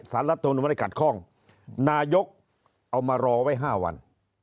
สารรัฐมนุนวันกันกัดคล่องนายกเอามารอไว้๕วัน